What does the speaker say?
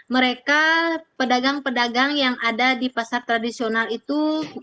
mereka pedagang pedagang yang ada di pasar tradisional itu